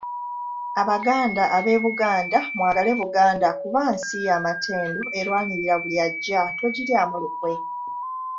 "Abaganda ab’eBuganda, mwagale Buganda kuba nsi ya matendo, erwanirwa buli ajja, togiryamu lukwe."